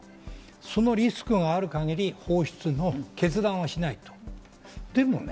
そのリスクがある限り放出の決断はしないとね。